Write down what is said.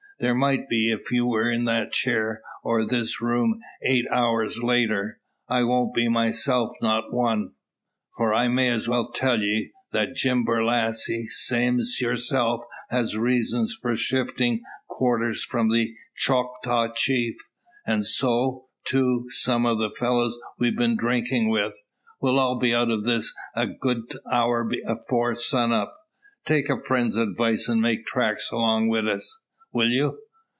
There might be, if you were in that chair, or this room, eight hours later. I won't be myself, not one. For I may as well tell ye, that Jim Borlasse, same's yourself, has reasons for shiftin' quarters from the Choctaw Chief. And so, too, some o' the fellows we've been drinkin' with. We'll all be out o' this a good hour afore sun up. Take a friend's advice, and make tracks along wi' us. Will you?"